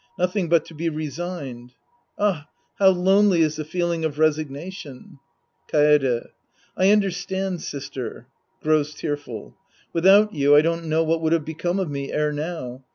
Nothing but to be resigned, — ah, how lonely is the feeling of resignation ! Kaede. I understand. Sister. {Grows tearful^ Without you, I don't know what would have become of me ere now.